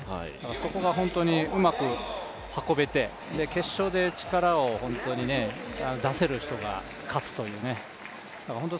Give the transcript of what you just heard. そこが本当にうまく運べて、決勝で力を出せる人が勝つという本当